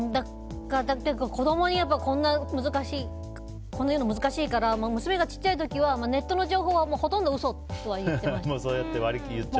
子供にこんな言うの難しいから娘がちっちゃい時はネットの情報はほとんど嘘って言ってました。